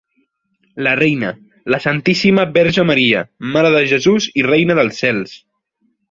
La reina: la Santíssima Verge Maria, Mare de Jesús i Reina dels Cels.